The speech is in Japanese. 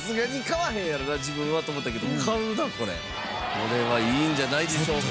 これはいいんじゃないでしょうか。